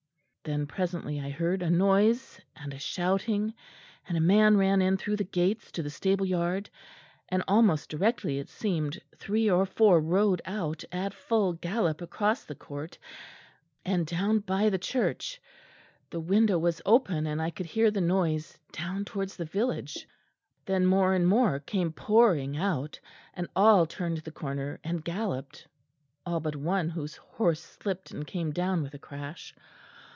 "Then presently I heard a noise, and a shouting, and a man ran in through the gates to the stable yard; and, almost directly it seemed, three or four rode out, at full gallop across the court and down by the church. The window was open and I could hear the noise down towards the village. Then more and more came pouring out, and all turned the corner and galloped; all but one, whose horse slipped and came down with a crash.